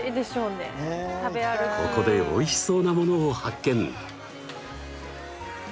ここでおいしそうなものを発見！